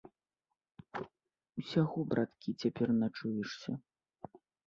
Усяго, браткі, цяпер начуешся.